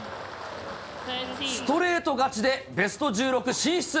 ストレート勝ちでベスト１６進出。